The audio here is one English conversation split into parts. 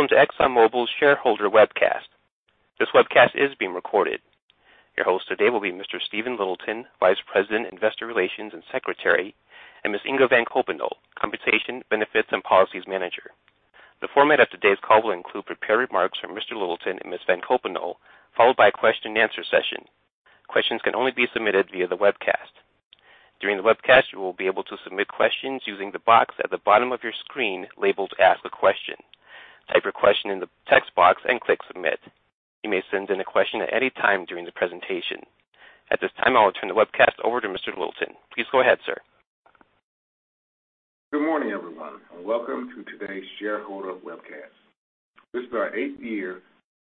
Welcome to Exxon Mobil's shareholder webcast. This webcast is being recorded. Your host today will be Mr. Stephen Littleton, Vice President, Investor Relations and Secretary, and Ms. Inge Van Coppenolle, Compensation, Benefits, and Policies Manager. The format of today's call will include prepared remarks from Mr. Littleton and Ms. Van Coppenolle, followed by a question-and-answer session. Questions can only be submitted via the webcast. During the webcast, you will be able to submit questions using the box at the bottom of your screen labeled Ask a Question. Type your question in the text box and click submit. You may send in a question at any time during the presentation. At this time, I will turn the webcast over to Mr. Littleton. Please go ahead, sir. Good morning, everyone, and welcome to today's shareholder webcast. This is our eighth year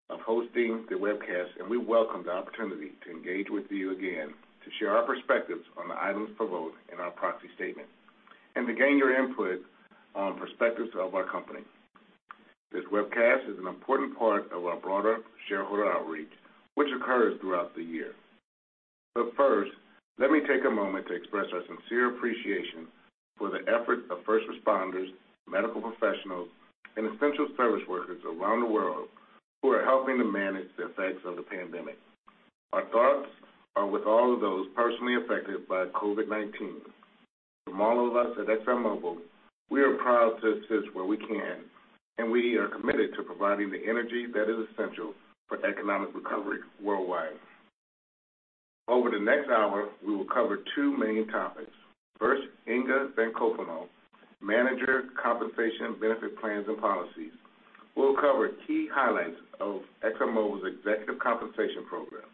of hosting the webcast, and we welcome the opportunity to engage with you again to share our perspectives on the items for vote in our proxy statement and to gain your input on perspectives of our company. This webcast is an important part of our broader shareholder outreach, which occurs throughout the year. First, let me take a moment to express our sincere appreciation for the efforts of first responders, medical professionals, and essential service workers around the world who are helping to manage the effects of the pandemic. Our thoughts are with all of those personally affected by COVID-19. From all of us at Exxon Mobil, we are proud to assist where we can, and we are committed to providing the energy that is essential for economic recovery worldwide. Over the next hour, we will cover two main topics. First, Inge Van Coppenolle, Manager, Compensation, Benefit Plans, and Policies, will cover key highlights of Exxon Mobil's executive compensation program.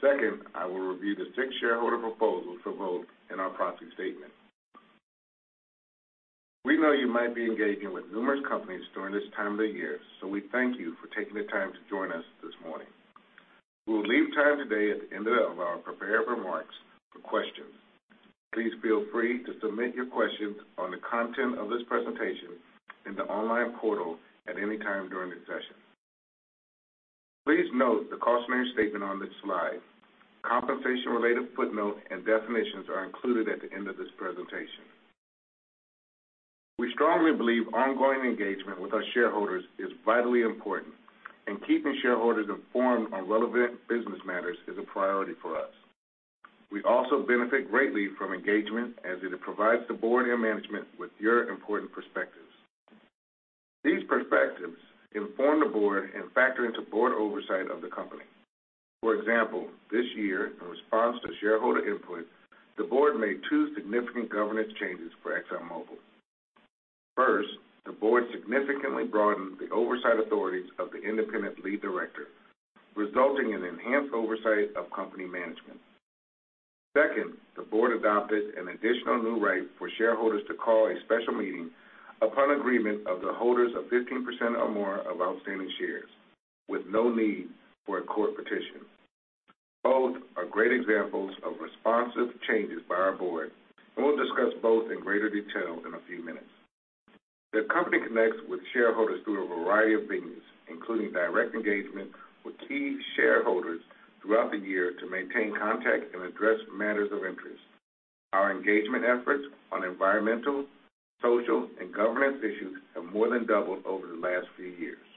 Second, I will review the six shareholder proposals for vote in our proxy statement. We know you might be engaging with numerous companies during this time of the year, so we thank you for taking the time to join us this morning. We will leave time today at the end of our prepared remarks for questions. Please feel free to submit your questions on the content of this presentation in the online portal at any time during the session. Please note the cautionary statement on this slide. Compensation-related footnotes and definitions are included at the end of this presentation. We strongly believe ongoing engagement with our shareholders is vitally important, and keeping shareholders informed on relevant business matters is a priority for us. We also benefit greatly from engagement as it provides the board and management with your important perspectives. These perspectives inform the board and factor into board oversight of the company. For example, this year, in response to shareholder input, the board made two significant governance changes for Exxon Mobil. First, the board significantly broadened the oversight authorities of the independent lead director, resulting in enhanced oversight of company management. Second, the board adopted an additional new right for shareholders to call a special meeting upon agreement of the holders of 15% or more of outstanding shares with no need for a court petition. Both are great examples of responsive changes by our board, and we'll discuss both in greater detail in a few minutes. The company connects with shareholders through a variety of venues, including direct engagement with key shareholders throughout the year to maintain contact and address matters of interest. Our engagement efforts on environmental, social, and governance issues have more than doubled over the last few years.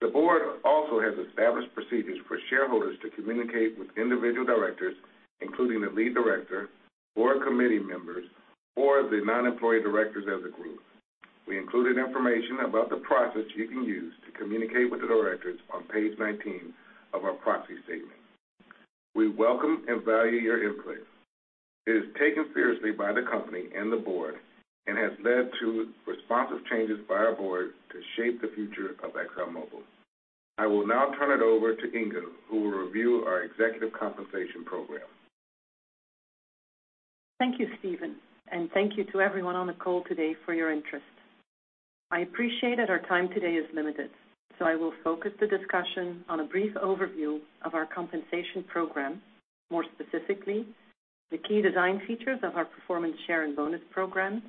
The board also has established procedures for shareholders to communicate with individual directors, including the lead director, board committee members, or the non-employee directors as a group. We included information about the process you can use to communicate with the directors on page 19 of our proxy statement. We welcome and value your input. It is taken seriously by the company and the board and has led to responsive changes by our board to shape the future of Exxon Mobil. I will now turn it over to Inge, who will review our executive compensation program. Thank you, Stephen, and thank you to everyone on the call today for your interest. I appreciate that our time today is limited, so I will focus the discussion on a brief overview of our compensation program. More specifically, the key design features of our performance share and bonus programs,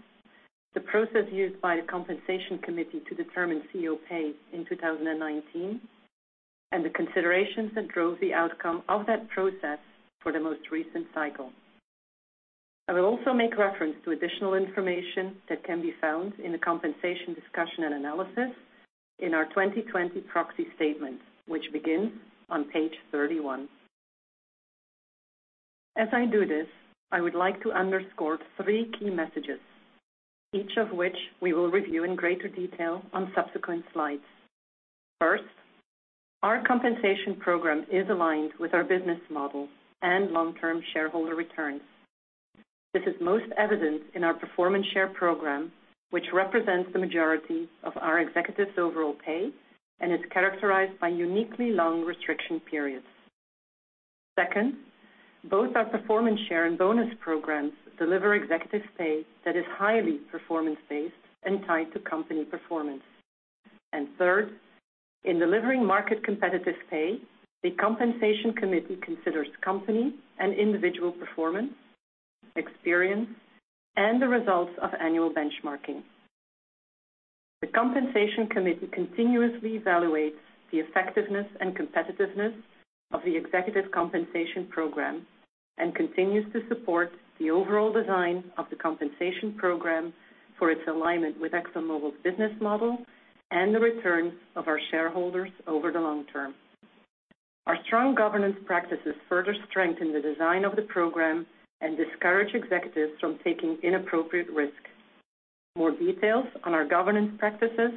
the process used by the Compensation Committee to determine CEO pay in 2019, and the considerations that drove the outcome of that process for the most recent cycle. I will also make reference to additional information that can be found in the Compensation Discussion and Analysis in our 2020 proxy statement, which begins on page 31. As I do this, I would like to underscore three key messages, each of which we will review in greater detail on subsequent slides. First, our compensation program is aligned with our business model and long-term shareholder returns. This is most evident in our performance share program, which represents the majority of our executives' overall pay and is characterized by uniquely long restriction periods. Second, both our performance share and bonus programs deliver executive pay that is highly performance-based and tied to company performance. Third, in delivering market competitive pay, the Compensation Committee considers company and individual performance, experience, and the results of annual benchmarking. The Compensation Committee continuously evaluates the effectiveness and competitiveness of the executive compensation program and continues to support the overall design of the compensation program for its alignment with ExxonMobil's business model and the returns of our shareholders over the long term. Our strong governance practices further strengthen the design of the program and discourage executives from taking inappropriate risks. More details on our governance practices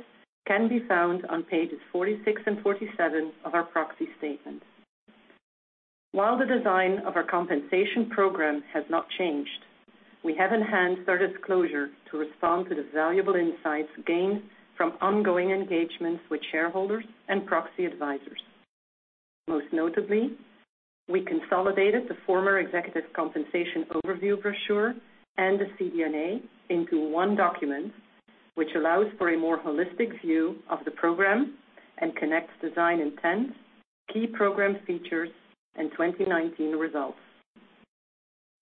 can be found on pages 46 and 47 of our proxy statement. While the design of our compensation program has not changed, we have enhanced our disclosure to respond to the valuable insights gained from ongoing engagements with shareholders and proxy advisors. Most notably, we consolidated the former executive compensation overview brochure and the CD&A into one document, which allows for a more holistic view of the program and connects design intent, key program features, and 2019 results.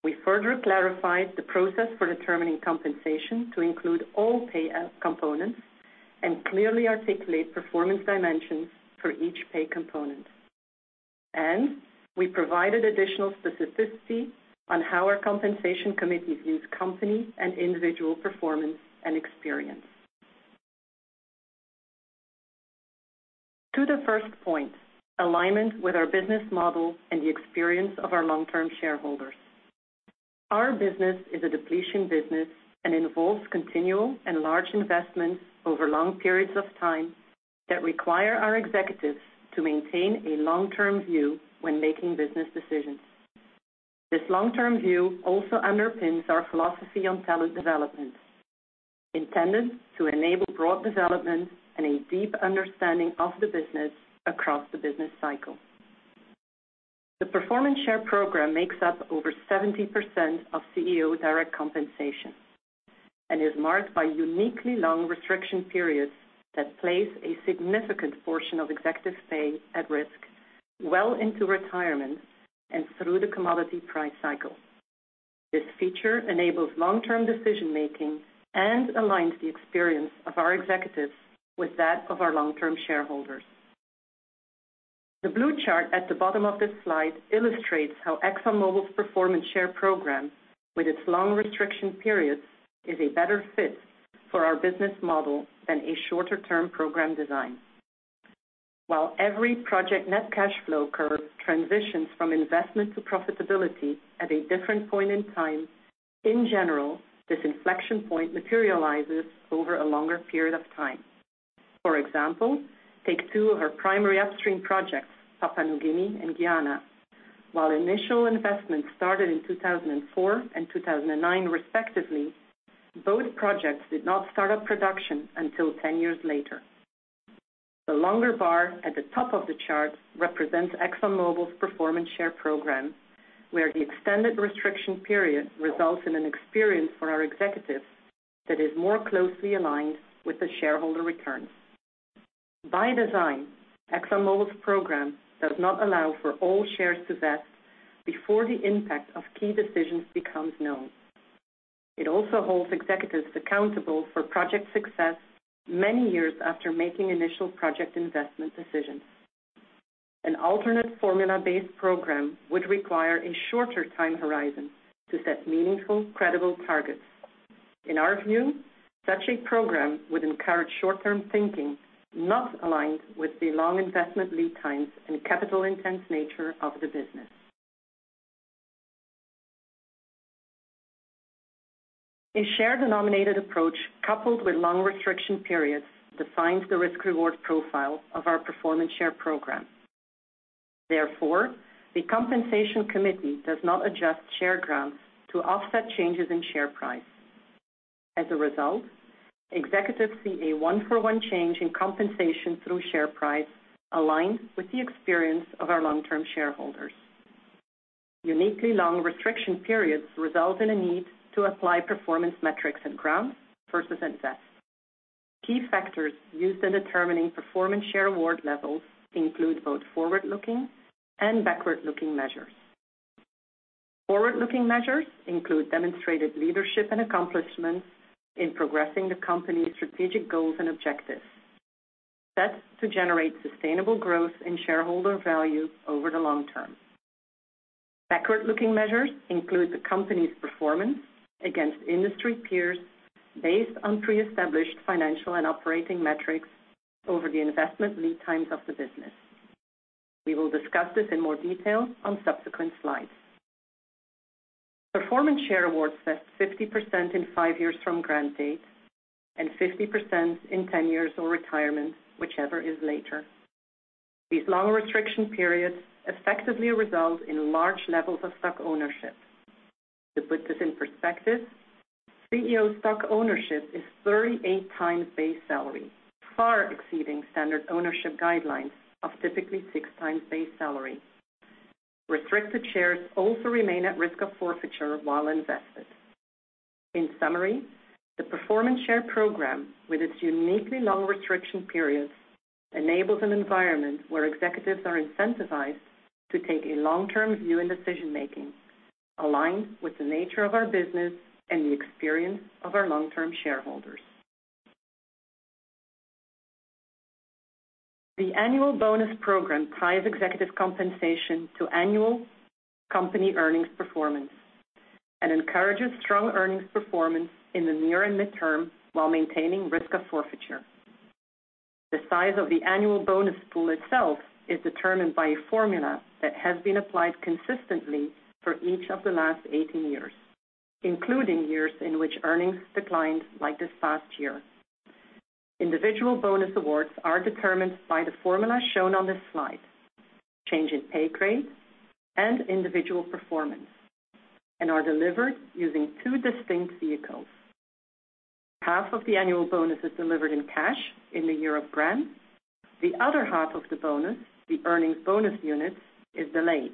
We further clarified the process for determining compensation to include all pay components and clearly articulate performance dimensions for each pay component. We provided additional specificity on how our compensation committees use company and individual performance and experience. To the first point, alignment with our business model and the experience of our long-term shareholders. Our business is a depletion business and involves continual and large investments over long periods of time that require our executives to maintain a long-term view when making business decisions. This long-term view also underpins our philosophy on talent development, intended to enable broad development and a deep understanding of the business across the business cycle. The performance share program makes up over 70% of CEO direct compensation and is marked by uniquely long restriction periods that place a significant portion of executive pay at risk well into retirement and through the commodity price cycle. This feature enables long-term decision-making and aligns the experience of our executives with that of our long-term shareholders. The blue chart at the bottom of this slide illustrates how ExxonMobil's performance share program, with its long restriction periods, is a better fit for our business model than a shorter-term program design. While every project net cash flow curve transitions from investment to profitability at a different point in time, in general, this inflection point materializes over a longer period of time. For example, take two of our primary upstream projects, Papua New Guinea and Guyana. While initial investments started in 2004 and 2009 respectively, both projects did not start up production until 10 years later. The longer bar at the top of the chart represents ExxonMobil's performance share program, where the extended restriction period results in an experience for our executives that is more closely aligned with the shareholder returns. By design, ExxonMobil's program does not allow for all shares to vest before the impact of key decisions becomes known. It also holds executives accountable for project success many years after making initial project investment decisions. An alternate formula-based program would require a shorter time horizon to set meaningful, credible targets. In our view, such a program would encourage short-term thinking, not aligned with the long investment lead times and capital-intense nature of the business. A share-denominated approach coupled with long restriction periods defines the risk-reward profile of our performance share program. Therefore, the compensation committee does not adjust share grants to offset changes in share price. As a result, executives see a one-for-one change in compensation through share price aligned with the experience of our long-term shareholders. Uniquely long restriction periods result in a need to apply performance metrics at grant versus at vest. Key factors used in determining performance share award levels include both forward-looking and backward-looking measures. Forward-looking measures include demonstrated leadership and accomplishments in progressing the company's strategic goals and objectives. Set to generate sustainable growth in shareholder value over the long term. Backward-looking measures include the company's performance against industry peers based on pre-established financial and operating metrics over the investment lead times of the business. We will discuss this in more detail on subsequent slides. Performance share awards vest 50% in five years from grant date and 50% in 10 years or retirement, whichever is later. These long restriction periods effectively result in large levels of stock ownership. To put this in perspective, CEO stock ownership is 38 times base salary, far exceeding standard ownership guidelines of typically six times base salary. Restricted shares also remain at risk of forfeiture while vested. In summary, the Performance Share Program, with its uniquely long restriction periods, enables an environment where executives are incentivized to take a long-term view in decision-making, aligned with the nature of our business and the experience of our long-term shareholders. The Annual Bonus Program ties executive compensation to annual company earnings performance and encourages strong earnings performance in the near and midterm while maintaining risk of forfeiture. The size of the Annual Bonus Pool itself is determined by a formula that has been applied consistently for each of the last 18 years, including years in which earnings declined, like this past year. Individual Bonus Awards are determined by the formula shown on this slide. Change in pay grade and individual performance, and are delivered using two distinct vehicles. Half of the Annual Bonus is delivered in cash in the year of grant. The other half of the bonus, the earnings bonus unit, is delayed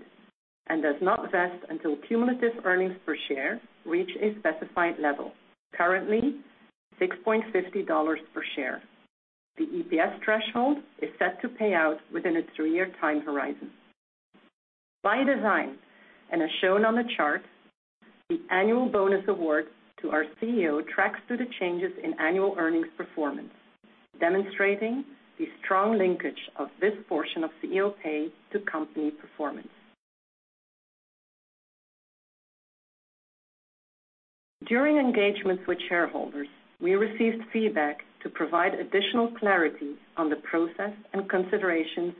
and does not vest until cumulative earnings per share reach a specified level, currently $6.50 per share. The EPS threshold is set to pay out within a three-year time horizon. By design, and as shown on the chart, the annual bonus award to our CEO tracks to the changes in annual earnings performance, demonstrating the strong linkage of this portion of CEO pay to company performance. During engagements with shareholders, we received feedback to provide additional clarity on the process and considerations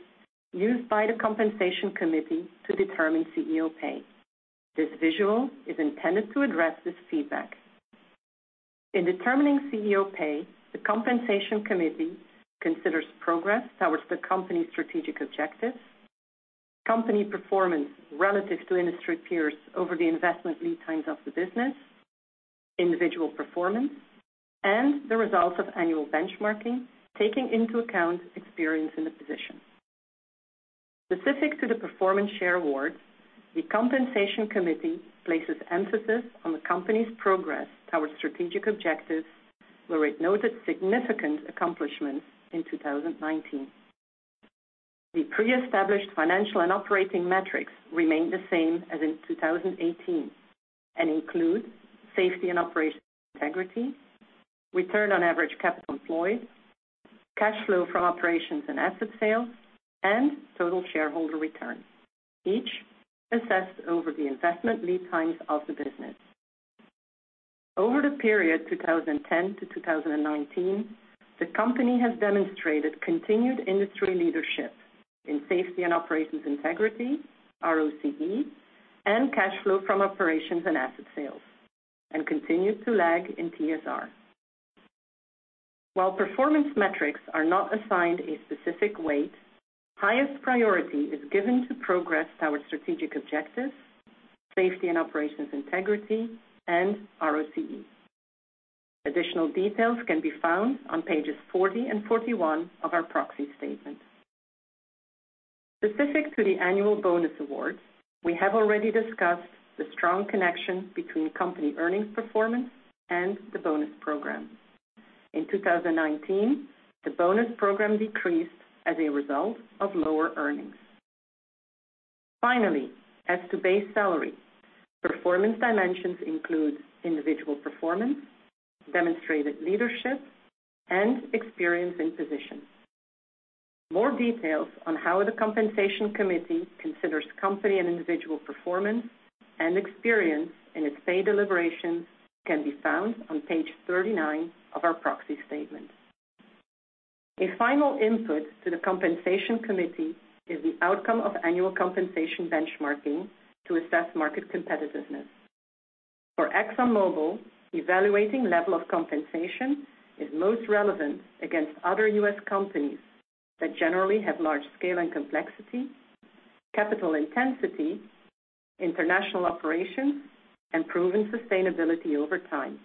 used by the compensation committee to determine CEO pay. This visual is intended to address this feedback. In determining CEO pay, the compensation committee considers progress towards the company's strategic objectives, company performance relative to industry peers over the investment lead times of the business, individual performance, and the results of annual benchmarking, taking into account experience in the position. Specific to the performance share awards, the compensation committee places emphasis on the company's progress towards strategic objectives, where it noted significant accomplishments in 2019. The pre-established financial and operating metrics remain the same as in 2018 and include safety and operations integrity, return on average capital employed, cash flow from operations and asset sales, and total shareholder returns, each assessed over the investment lead times of the business. Over the period 2010 to 2019, the company has demonstrated continued industry leadership in safety and operations integrity, ROCE, and cash flow from operations and asset sales, and continues to lag in TSR. While performance metrics are not assigned a specific weight, highest priority is given to progress towards strategic objectives, safety and operations integrity, and ROCE. Additional details can be found on pages 40 and 41 of our proxy statement. Specific to the annual bonus awards, we have already discussed the strong connection between company earnings performance and the bonus program. In 2019, the bonus program decreased as a result of lower earnings. As to base salary, performance dimensions include individual performance, demonstrated leadership, and experience in position. More details on how the compensation committee considers company and individual performance and experience in its pay deliberations can be found on page 39 of our proxy statement. A final input to the compensation committee is the outcome of annual compensation benchmarking to assess market competitiveness. For Exxon Mobil, evaluating level of compensation is most relevant against other U.S. companies that generally have large scale and complexity, capital intensity, international operations, and proven sustainability over time.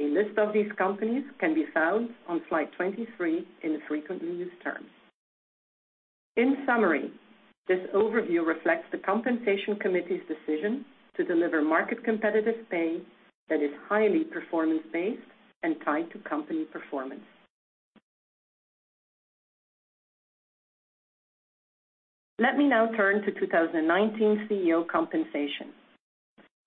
A list of these companies can be found on slide 23 in the frequently used terms. In summary, this overview reflects the compensation committee's decision to deliver market competitive pay that is highly performance-based and tied to company performance. Let me now turn to 2019 CEO compensation.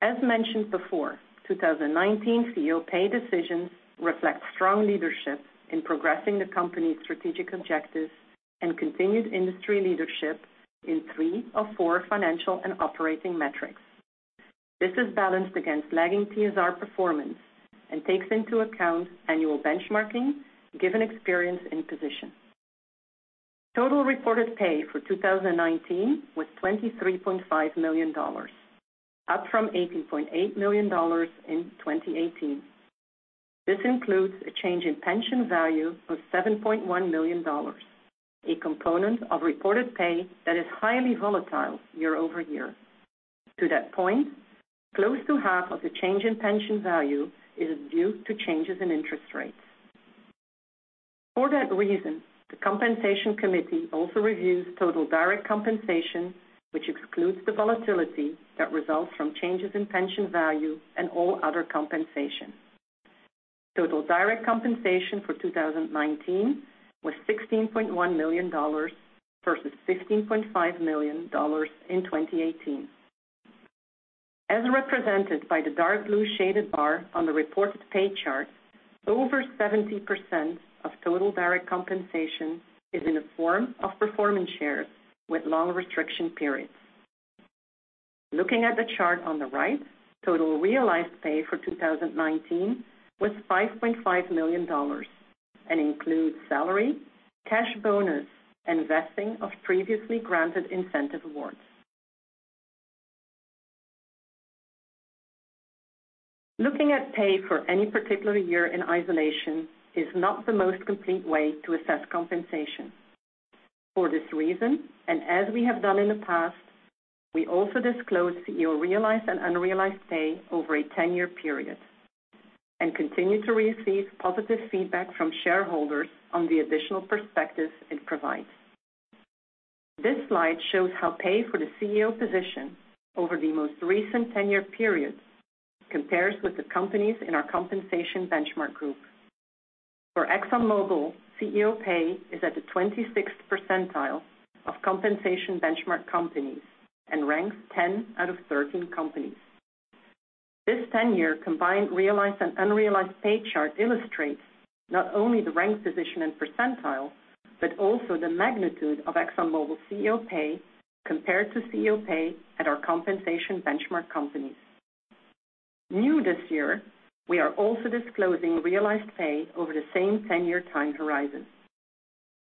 As mentioned before, 2019 CEO pay decisions reflect strong leadership in progressing the company's strategic objectives and continued industry leadership in three of four financial and operating metrics. This is balanced against lagging TSR performance and takes into account annual benchmarking given experience in position. Total reported pay for 2019 was $23.5 million, up from $18.8 million in 2018. This includes a change in pension value of $7.1 million, a component of reported pay that is highly volatile year-over-year. To that point, close to half of the change in pension value is due to changes in interest rates. For that reason, the compensation committee also reviews total direct compensation, which excludes the volatility that results from changes in pension value and all other compensation. Total direct compensation for 2019 was $16.1 million versus $15.5 million in 2018. As represented by the dark blue shaded bar on the reported pay chart, over 70% of total direct compensation is in the form of performance shares with long restriction periods. Looking at the chart on the right, total realized pay for 2019 was $5.5 million and includes salary, cash bonus, and vesting of previously granted incentive awards. Looking at pay for any particular year in isolation is not the most complete way to assess compensation. For this reason, and as we have done in the past, we also disclose CEO realized and unrealized pay over a 10-year period and continue to receive positive feedback from shareholders on the additional perspective it provides. This slide shows how pay for the CEO position over the most recent 10-year period compares with the companies in our compensation benchmark group. For ExxonMobil, CEO pay is at the 26th percentile of compensation benchmark companies and ranks 10 out of 13 companies. This 10-year combined realized and unrealized pay chart illustrates not only the rank position and percentile but also the magnitude of ExxonMobil's CEO pay compared to CEO pay at our compensation benchmark companies. New this year, we are also disclosing realized pay over the same 10-year time horizon.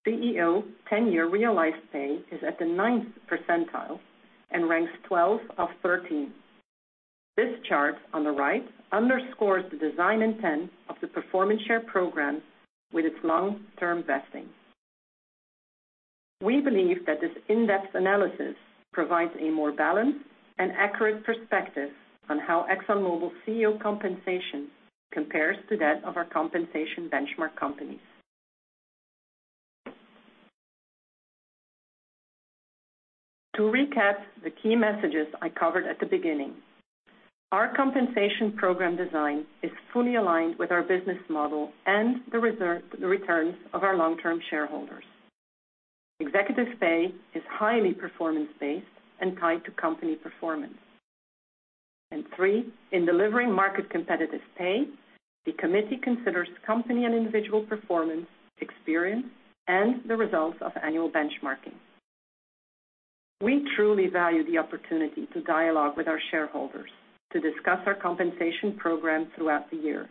CEO 10-year realized pay is at the ninth percentile and ranks 12 out of 13. This chart on the right underscores the design intent of the performance share program with its long-term vesting. We believe that this in-depth analysis provides a more balanced and accurate perspective on how ExxonMobil's CEO compensation compares to that of our compensation benchmark companies. To recap the key messages I covered at the beginning, our compensation program design is fully aligned with our business model and the returns of our long-term shareholders. Executive pay is highly performance-based and tied to company performance. Three, in delivering market-competitive pay, the committee considers company and individual performance, experience, and the results of annual benchmarking. We truly value the opportunity to dialogue with our shareholders to discuss our compensation program throughout the year.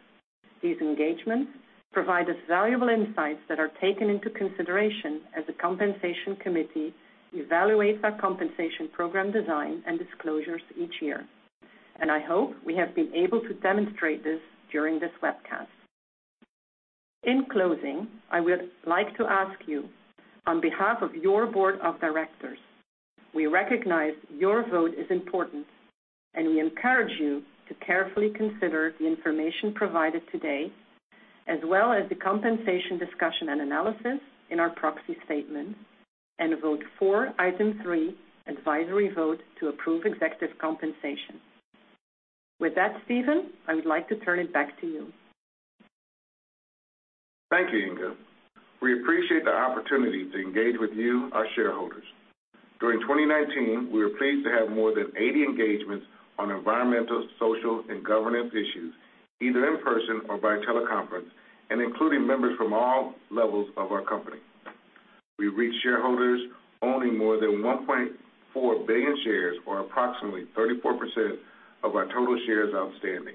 These engagements provide us valuable insights that are taken into consideration as the Compensation Committee evaluates our compensation program design and disclosures each year. I hope we have been able to demonstrate this during this webcast. In closing, I would like to ask you, on behalf of your board of directors, we recognize your vote is important, and we encourage you to carefully consider the information provided today, as well as the Compensation Discussion and Analysis in our proxy statement, and vote for Item 3, Advisory Vote to approve executive compensation. With that, Stephen, I would like to turn it back to you. Thank you, Inge. We appreciate the opportunity to engage with you, our shareholders. During 2019, we were pleased to have more than 80 engagements on environmental, social, and governance issues, either in person or by teleconference, and including members from all levels of our company. We reached shareholders owning more than 1.4 billion shares or approximately 34% of our total shares outstanding.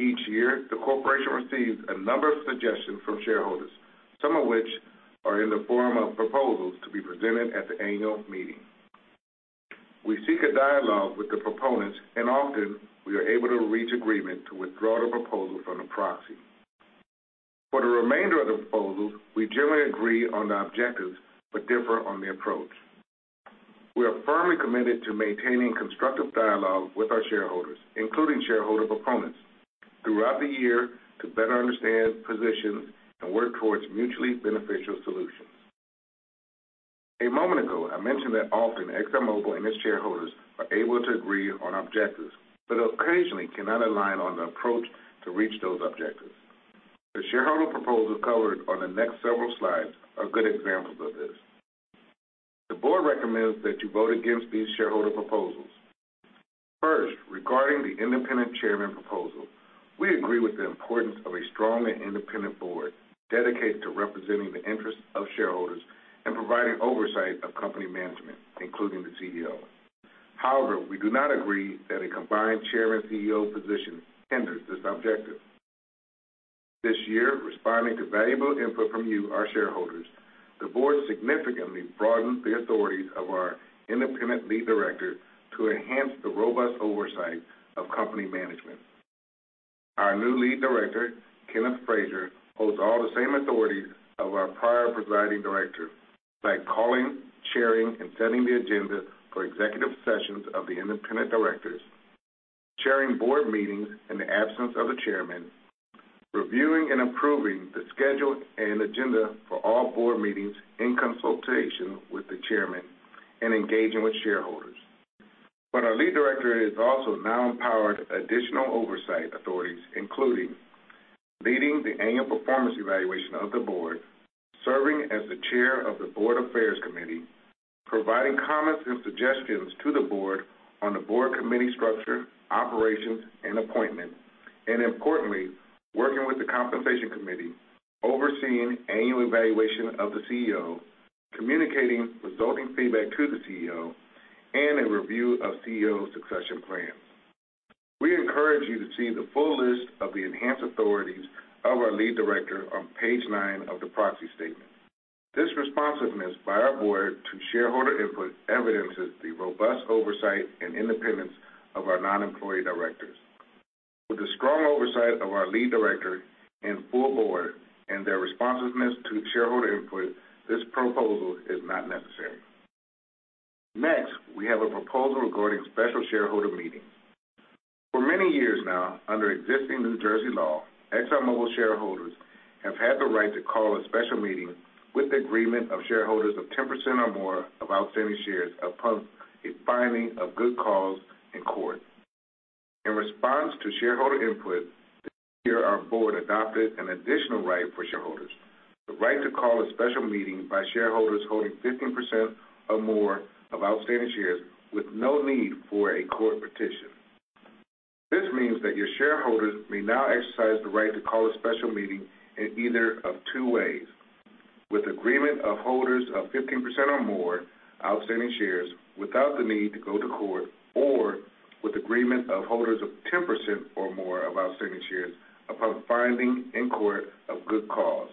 Each year, the corporation receives a number of suggestions from shareholders, some of which are in the form of proposals to be presented at the annual meeting. We seek a dialogue with the proponents, and often we are able to reach agreement to withdraw the proposal from the proxy. For the remainder of the proposals, we generally agree on the objectives but differ on the approach. We are firmly committed to maintaining constructive dialogue with our shareholders, including shareholder proponents throughout the year to better understand positions and work towards mutually beneficial solutions. A moment ago, I mentioned that often ExxonMobil and its shareholders are able to agree on objectives but occasionally cannot align on the approach to reach those objectives. The shareholder proposals covered on the next several slides are good examples of this. The board recommends that you vote against these shareholder proposals. First, regarding the independent chairman proposal, we agree with the importance of a strong and independent board dedicated to representing the interests of shareholders and providing oversight of company management, including the CEO. However, we do not agree that a combined chair and CEO position hinders this objective. This year, responding to valuable input from you, our shareholders, the board significantly broadened the authorities of our independent lead director to enhance the robust oversight of company management. Our new Lead Director, Kenneth Frazier, holds all the same authorities of our prior presiding director, like calling, chairing, and setting the agenda for executive sessions of the independent directors, chairing board meetings in the absence of the chairman, reviewing and approving the schedule and agenda for all board meetings in consultation with the chairman, and engaging with shareholders. Our lead director is also now empowered additional oversight authorities, including leading the annual performance evaluation of the board, serving as the Chair of the Board Affairs Committee, providing comments and suggestions to the board on the board committee structure, operations, and appointments, and importantly, working with the Compensation Committee, overseeing annual evaluation of the CEO, communicating resulting feedback to the CEO, and a review of CEO succession plans. We encourage you to see the full list of the enhanced authorities of our lead director on page nine of the proxy statement. This responsiveness by our board to shareholder input evidences the robust oversight and independence of our non-employee directors. With the strong oversight of our lead director and full board and their responsiveness to shareholder input, this proposal is not necessary. Next, we have a proposal regarding special shareholder meetings. For many years now, under existing New Jersey law, ExxonMobil shareholders have had the right to call a special meeting with the agreement of shareholders of 10% or more of outstanding shares upon a finding of good cause in court. In response to shareholder input, this year our board adopted an additional right for shareholders, the right to call a special meeting by shareholders holding 15% or more of outstanding shares with no need for a court petition. This means that your shareholders may now exercise the right to call a special meeting in either of two ways, with agreement of holders of 15% or more outstanding shares without the need to go to court, or with agreement of holders of 10% or more of outstanding shares upon finding in court a good cause.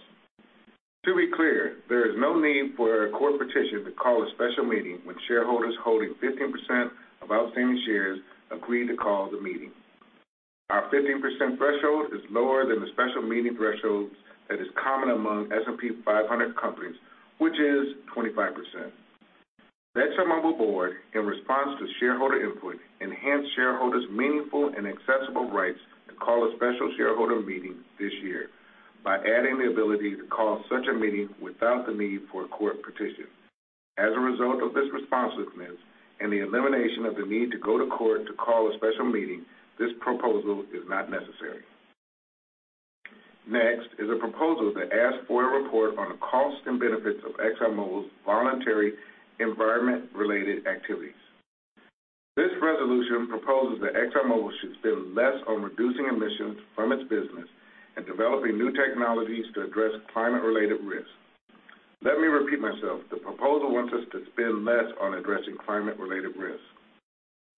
To be clear, there is no need for a court petition to call a special meeting when shareholders holding 15% of outstanding shares agree to call the meeting. Our 15% threshold is lower than the special meeting threshold that is common among S&P 500 companies, which is 25%. The ExxonMobil board, in response to shareholder input, enhanced shareholders' meaningful and accessible rights to call a special shareholder meeting this year by adding the ability to call such a meeting without the need for a court petition. As a result of this responsiveness and the elimination of the need to go to court to call a special meeting, this proposal is not necessary. Next is a proposal that asks for a report on the cost and benefits of ExxonMobil's voluntary environment-related activities. This resolution proposes that ExxonMobil should spend less on reducing emissions from its business and developing new technologies to address climate-related risks. Let me repeat myself. The proposal wants us to spend less on addressing climate-related risks.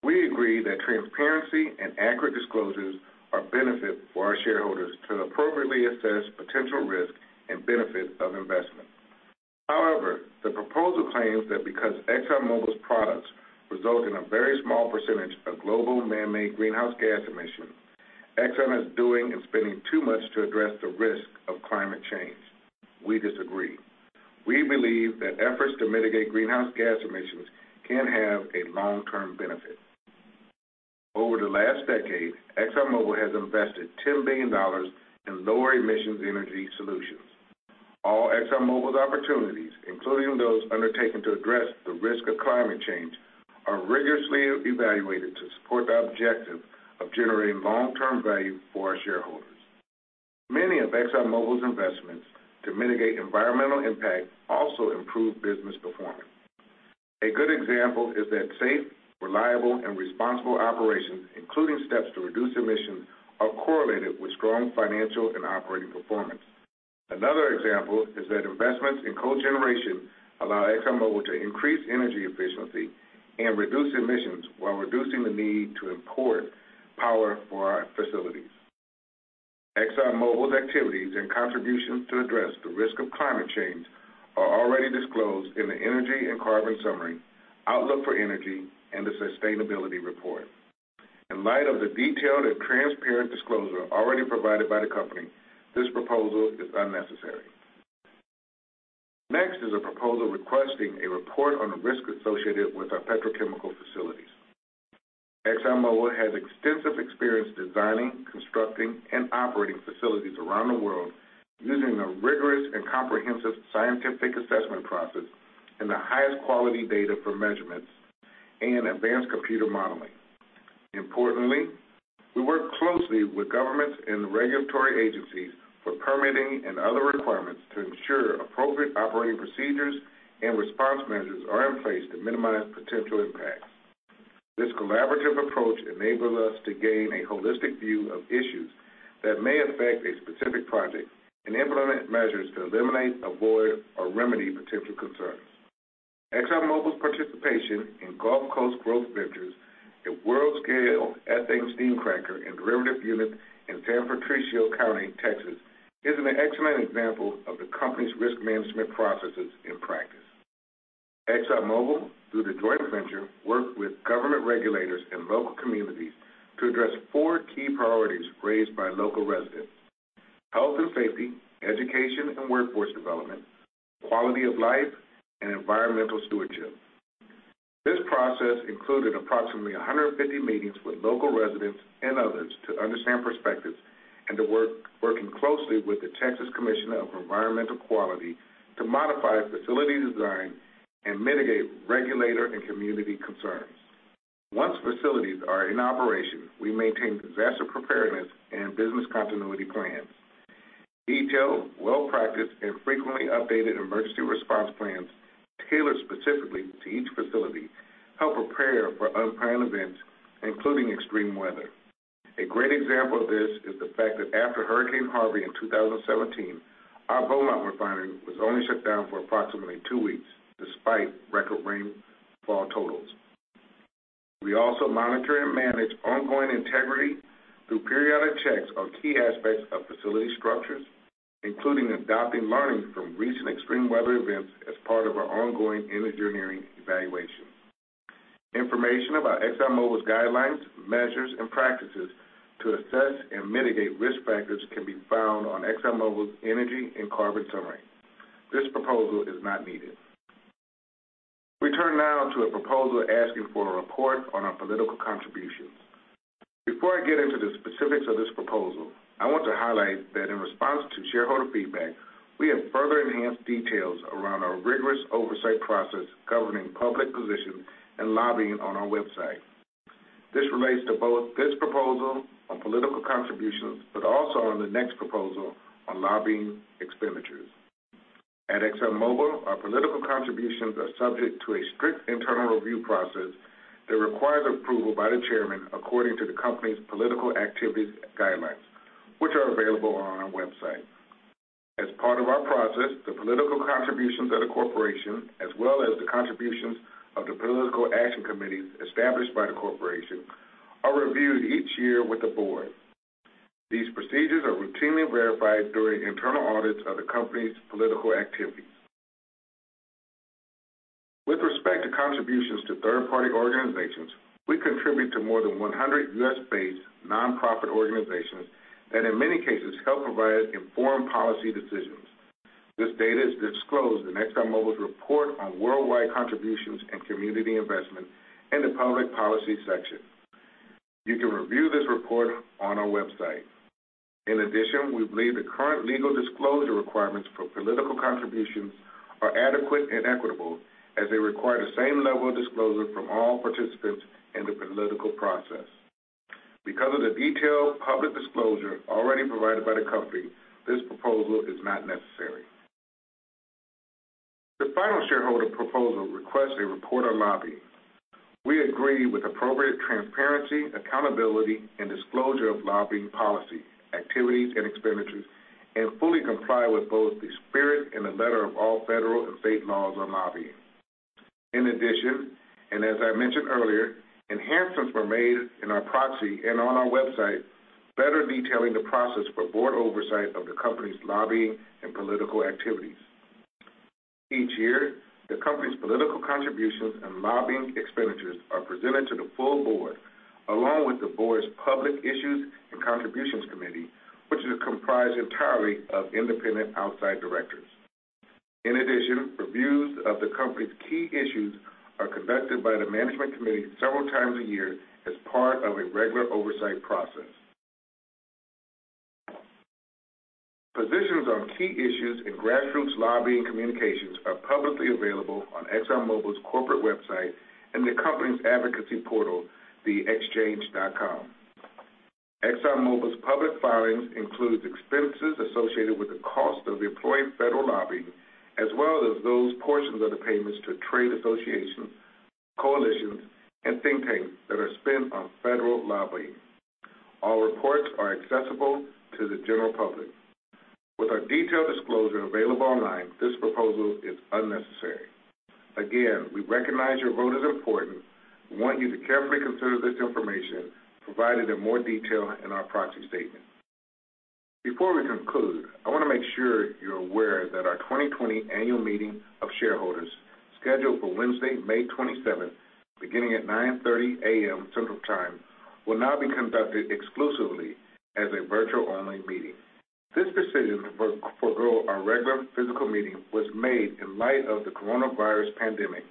We agree that transparency and accurate disclosures are a benefit for our shareholders to appropriately assess potential risk and benefits of investment. However, the proposal claims that because ExxonMobil's products result in a very small percentage of global man-made greenhouse gas emissions, Exxon is doing and spending too much to address the risk of climate change. We disagree. We believe that efforts to mitigate greenhouse gas emissions can have a long-term benefit. Over the last decade, ExxonMobil has invested $10 billion in lower emissions energy solutions. All ExxonMobil's opportunities, including those undertaken to address the risk of climate change, are rigorously evaluated to support the objective of generating long-term value for our shareholders. Many of ExxonMobil's investments to mitigate environmental impact also improve business performance. A good example is that safe, reliable, and responsible operations, including steps to reduce emissions, are correlated with strong financial and operating performance. Another example is that investments in cogeneration allow ExxonMobil to increase energy efficiency and reduce emissions while reducing the need to import power for our facilities. ExxonMobil's activities and contributions to address the risk of climate change are already disclosed in the Energy and Carbon Summary, Outlook for Energy, and the Sustainability Report. In light of the detailed and transparent disclosure already provided by the company, this proposal is unnecessary. Next is a proposal requesting a report on the risks associated with our petrochemical facilities. ExxonMobil has extensive experience designing, constructing, and operating facilities around the world using a rigorous and comprehensive scientific assessment process and the highest quality data for measurements and advanced computer modeling. Importantly, we work closely with governments and regulatory agencies for permitting and other requirements to ensure appropriate operating procedures and response measures are in place to minimize potential impacts. This collaborative approach enables us to gain a holistic view of issues that may affect a specific project and implement measures to eliminate, avoid, or remedy potential concerns. ExxonMobil's participation in Gulf Coast Growth Ventures, a world-scale ethane steam cracker and derivative unit in San Patricio County, Texas, is an excellent example of the company's risk management processes in practice. ExxonMobil, through the joint venture, worked with government regulators and local communities to address four key priorities raised by local residents, health and safety, education and workforce development, quality of life, and environmental stewardship. This process included approximately 150 meetings with local residents and others to understand perspectives and to working closely with the Texas Commission on Environmental Quality to modify facility design and mitigate regulator and community concerns. Once facilities are in operation, we maintain disaster preparedness and business continuity plans. Detailed, well-practiced, and frequently updated emergency response plans tailored specifically to each facility help prepare for unplanned events, including extreme weather. A great example of this is the fact that after Hurricane Harvey in 2017, our Beaumont refinery was only shut down for approximately two weeks despite record rainfall totals. We also monitor and manage ongoing integrity through periodic checks on key aspects of facility structures, including adopting learnings from recent extreme weather events as part of our ongoing engineering evaluation. Information about ExxonMobil's guidelines, measures, and practices to assess and mitigate risk factors can be found on ExxonMobil's energy and carbon summary. This proposal is not needed. We turn now to a proposal asking for a report on our political contributions. Before I get into the specifics of this proposal, I want to highlight that in response to shareholder feedback, we have further enhanced details around our rigorous oversight process governing public positions and lobbying on our website. This relates to both this proposal on political contributions, but also on the next proposal on lobbying expenditures. At ExxonMobil, our political contributions are subject to a strict internal review process that requires approval by the chairman according to the company's political activities guidelines, which are available on our website. As part of our process, the political contributions of the corporation, as well as the contributions of the political action committees established by the corporation, are reviewed each year with the board. These procedures are routinely verified during internal audits of the company's political activities. With respect to contributions to third-party organizations, we contribute to more than 100 U.S.-based non-profit organizations that in many cases help provide informed policy decisions. This data is disclosed in ExxonMobil's report on worldwide contributions and community investment in the public policy section. You can review this report on our website. In addition, we believe the current legal disclosure requirements for political contributions are adequate and equitable as they require the same level of disclosure from all participants in the political process. Because of the detailed public disclosure already provided by the company, this proposal is not necessary. The final shareholder proposal requests a report on lobbying. We agree with appropriate transparency, accountability, and disclosure of lobbying policy, activities, and expenditures, and fully comply with both the spirit and the letter of all federal and state laws on lobbying. In addition, and as I mentioned earlier, enhancements were made in our proxy and on our website better detailing the process for board oversight of the company's lobbying and political activities. Each year, the company's political contributions and lobbying expenditures are presented to the full board, along with the board's Public Issues and Contributions Committee, which is comprised entirely of independent outside directors. In addition, reviews of the company's key issues are conducted by the Management committee several times a year as part of a regular oversight process. Positions on key issues in grassroots lobbying communications are publicly available on ExxonMobil's corporate website and the company's advocacy portal, Exxchange. ExxonMobil's public filings includes expenses associated with the cost of employed federal lobbying, as well as those portions of the payments to trade associations, coalitions, and think tanks that are spent on federal lobbying. All reports are accessible to the general public. With our detailed disclosure available online, this proposal is unnecessary. Again, we recognize your vote is important. We want you to carefully consider this information provided in more detail in our proxy statement. Before we conclude, I want to make sure you're aware that our 2020 annual meeting of shareholders, scheduled for Wednesday, May 27th, beginning at 9:30 A.M. Central Time, will now be conducted exclusively as a virtual-only meeting. This decision to forego our regular physical meeting was made in light of the coronavirus pandemic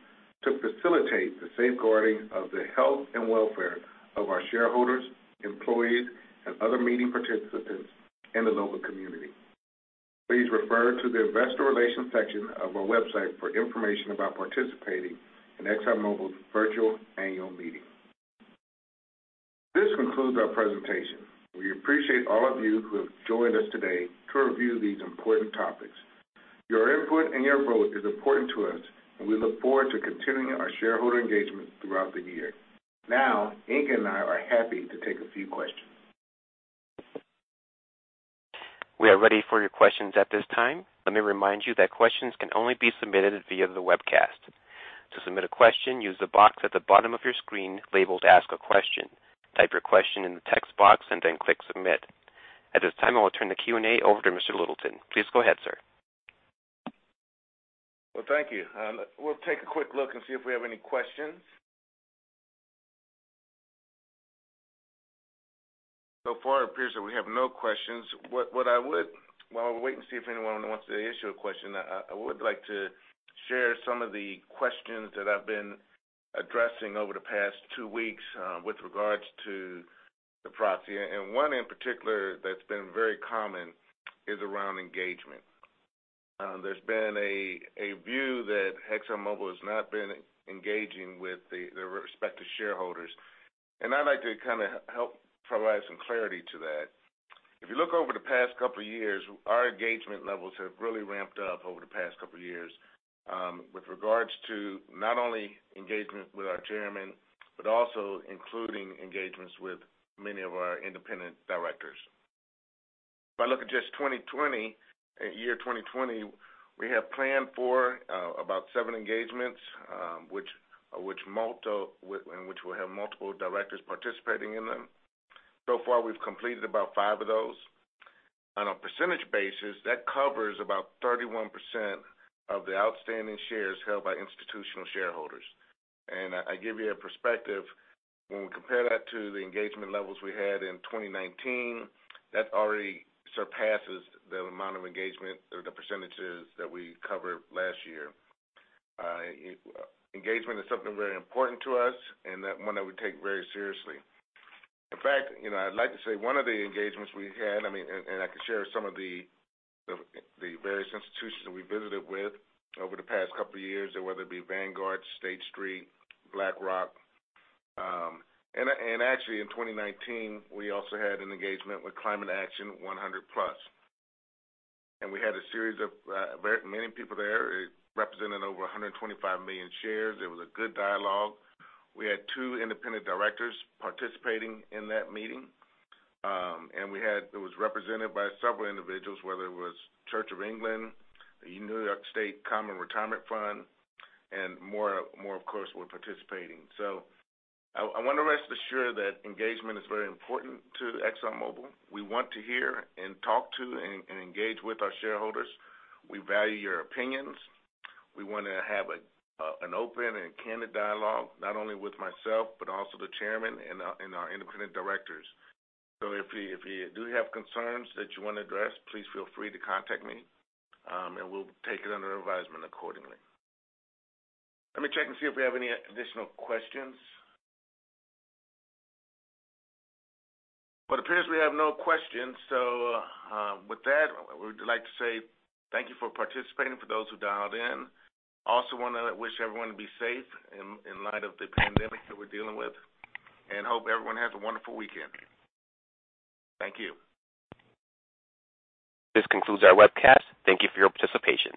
to facilitate the safeguarding of the health and welfare of our shareholders, employees, and other meeting participants in the local community. Please refer to the investor relations section of our website for information about participating in ExxonMobil's virtual annual meeting. This concludes our presentation. We appreciate all of you who have joined us today to review these important topics. Your input and your vote is important to us, and we look forward to continuing our shareholder engagement throughout the year. Inge and I are happy to take a few questions. We are ready for your questions at this time. Let me remind you that questions can only be submitted via the webcast. To submit a question, use the box at the bottom of your screen labeled Ask a Question. Type your question in the text box and then click Submit. At this time, I will turn the Q&A over to Mr. Littleton. Please go ahead, sir. Well, thank you. We'll take a quick look and see if we have any questions. So far, it appears that we have no questions. While we wait and see if anyone wants to issue a question, I would like to share some of the questions that I've been addressing over the past two weeks with regards to the proxy, and one in particular that's been very common is around engagement. There's been a view that ExxonMobil has not been engaging with their respective shareholders, and I'd like to help provide some clarity to that. If you look over the past couple of years, our engagement levels have really ramped up over the past couple of years with regards to not only engagement with our chairman, but also including engagements with many of our independent directors. If I look at just 2020, year 2020, we have planned for about seven engagements in which we'll have multiple directors participating in them. So far, we've completed about five of those. On a percentage basis, that covers about 31% of the outstanding shares held by institutional shareholders. I give you a perspective, when we compare that to the engagement levels we had in 2019, that already surpasses the amount of engagement or the percentages that we covered last year. Engagement is something very important to us and one that we take very seriously. In fact, I'd like to say one of the engagements we had, and I can share some of the various institutions that we visited with over the past couple of years, whether it be Vanguard, State Street, BlackRock. Actually, in 2019, we also had an engagement with Climate Action 100+, and we had a series of many people there representing over 125 million shares. It was a good dialogue. We had two independent directors participating in that meeting. It was represented by several individuals, whether it was Church of England, the New York State Common Retirement Fund, and more, of course, were participating. I want to rest assured that engagement is very important to ExxonMobil. We want to hear and talk to and engage with our shareholders. We value your opinions. We want to have an open and candid dialogue, not only with myself, but also the chairman and our independent directors. If you do have concerns that you want to address, please feel free to contact me, and we'll take it under advisement accordingly. Let me check and see if we have any additional questions. Well, it appears we have no questions. With that, we would like to say thank you for participating for those who dialed in. Also want to wish everyone to be safe in light of the pandemic that we're dealing with and hope everyone has a wonderful weekend. Thank you. This concludes our webcast. Thank you for your participation.